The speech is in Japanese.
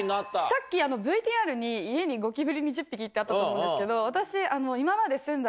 さっきＶＴＲに家にゴキブリ２０匹ってあったと思うんですけど私。